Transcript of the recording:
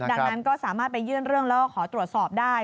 ดังนั้นก็สามารถไปยื่นเรื่องแล้วก็ขอตรวจสอบได้